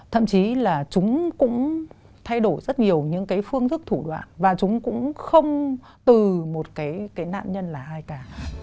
thậm chí là chúng cũng thay đổi rất nhiều những cái phương thức thủ đoạn và chúng cũng không từ một cái nạn nhân là ai cả